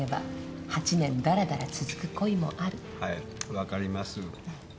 分かります。